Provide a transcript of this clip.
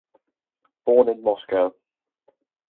Born in Moscow.